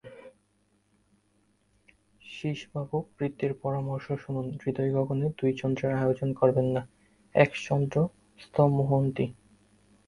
শ্রীশবাবু, বৃদ্ধের পরামর্শ শুনুন, হৃদয়গগনে দুই চন্দ্রের আয়োজন করবেন না– একশ্চন্দ্রস্তমোহন্তি।